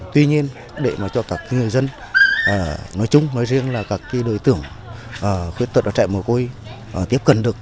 tuy nhiên để mà cho các người dân nói chung nói riêng là các đối tưởng khuyết tật và trẻ mở côi tiếp cận được